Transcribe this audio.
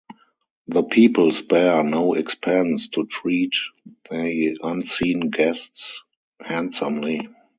The people spare no expense to treat the unseen guests handsomely.